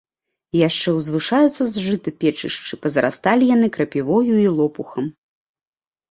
Яшчэ ўзвышаюцца з жыта печышчы, пазарасталі яны крапівою і лопухам.